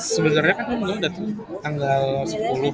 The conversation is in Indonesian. sebenernya kan lu udah datang tanggal sepuluh ya